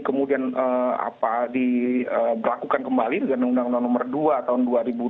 kemudian diberlakukan kembali dengan undang undang nomor dua tahun dua ribu dua puluh